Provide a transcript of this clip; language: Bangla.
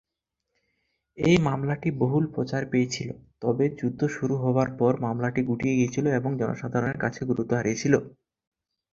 এই মামলাটি বহুল প্রচার পেয়েছিল, তবে যুদ্ধ শুরু হবার পর, মামলাটি গুটিয়ে গিয়েছিল এবং আবার জনসাধারণের কাছে তার গুরুত্ব হারিয়েছিল।